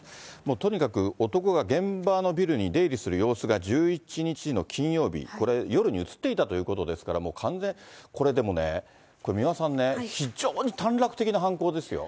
とにかく男が現場のビルに出入りする様子が、１１日の金曜日、これ、夜に写っていたということですから、もう完全、これ、でもね、これ、三輪さんね、非常に短絡的な犯行ですよ。